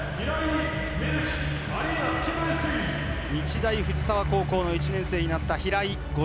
日大藤沢高校の１年生になった平井。